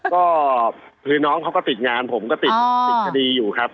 ก็คือน้องเขาก็ติดงานผมก็ติดคดีอยู่ครับ